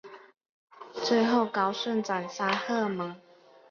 最后高顺斩杀郝萌。